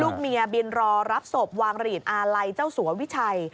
เมียบินรอรับศพวางหลีดอาลัยเจ้าสัววิชัย